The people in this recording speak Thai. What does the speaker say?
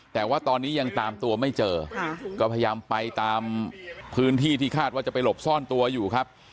แต่ว่าตอนนี้ยังตามตัวไม่เจอก็พยายามไปตามพื้นที่ที่คาดว่าจะไปหลบซ่อนตัวอยู่ครับ